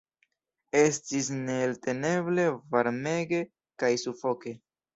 Estis neelteneble varmege kaj sufoke.